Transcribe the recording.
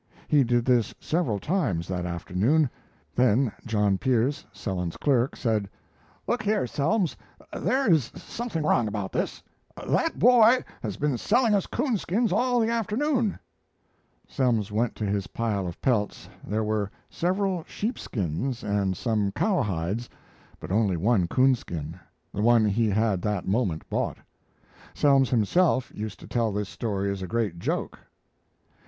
He did this several times that afternoon; then John Pierce, Selins's clerk, said: "Look here, Selms, there is something wrong about this. That boy has been selling us coonskins all the afternoon." Selms went to his pile of pelts. There were several sheepskins and some cowhides, but only one coonskin the one he had that moment bought. Selms himself used to tell this story as a great joke.